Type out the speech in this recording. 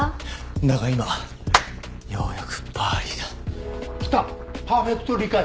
だが今ようやくパーリーだきたパーフェクト理解